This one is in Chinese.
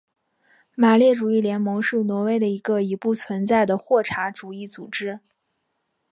马列主义联盟是挪威的一个已不存在的霍查主义组织。